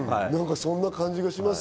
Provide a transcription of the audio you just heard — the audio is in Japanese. そんな感じがします。